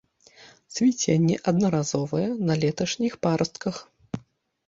Цвіценне аднаразовае, на леташніх парастках.